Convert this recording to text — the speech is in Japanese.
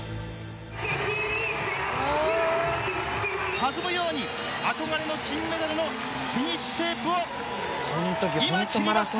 弾むように憧れの金メダルのフィニッシュテープを今切りました。